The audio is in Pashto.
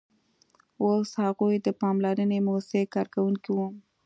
اوس هغوی د پاملرنې موسسې کارکوونکي وو